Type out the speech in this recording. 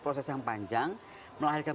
proses yang panjang melahirkan